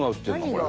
これ。